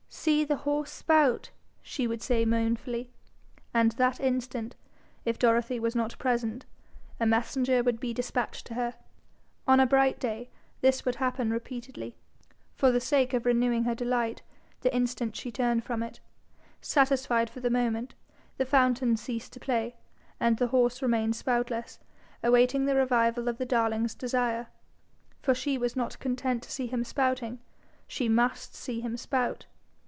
'See horse spout,' she would say moanfully; and that instant, if Dorothy was not present, a messenger would be despatched to her. On a bright day this would happen repeatedly. For the sake of renewing her delight, the instant she turned from it, satisfied for the moment, the fountain ceased to play, and the horse remained spoutless, awaiting the revival of the darling's desire; for she was not content to see him spouting: she must see him spout.